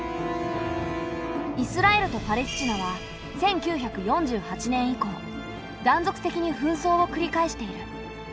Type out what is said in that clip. イスラエルとパレスチナは１９４８年以降断続的に紛争をくり返している。